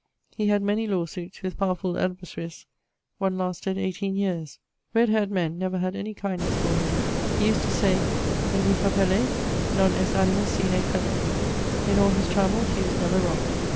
He had many lawe suites with powerfull adversaries; one lasted 18 yeares. Red haired men never had any kindnesse for him. He used to say: In rufa pelle non est animus sine felle. In all his travells he was never robbed.